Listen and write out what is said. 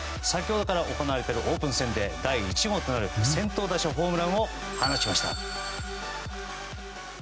先ほどから行われているオープン戦で先頭打者ホームランを放ちました。